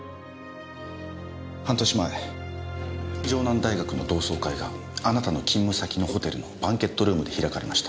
半年前城南大学の同窓会があなたの勤務先のホテルのバンケットルームで開かれました。